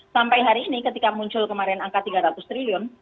sampai hari ini ketika muncul kemarin angka tiga ratus triliun